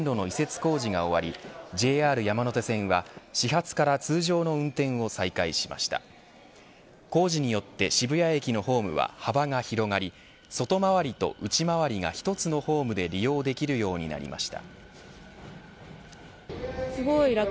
工事によって渋谷駅のホームは幅が広がり外回りと内回りが一つのホームで利用できるようになりました。